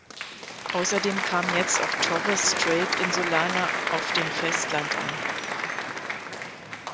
Außerdem kamen jetzt auch Torres-Strait-Insulaner auf dem Festland an.